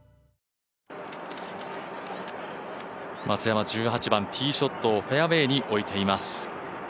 松山１８番、ティーショットをフェアウエーに置いています。